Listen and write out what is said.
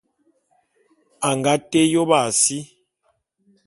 A nga té yôp a si.